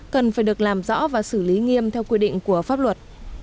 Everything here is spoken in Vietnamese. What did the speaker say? cần phải được làm rõ và xử lý nghiêm theo quy định của pháp luật